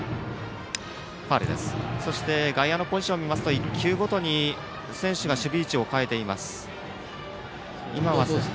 そして外野のポジションを見ますと１球ごとに選手が守備位置を変えています。